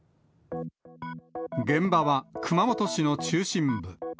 現場は熊本市の中心部。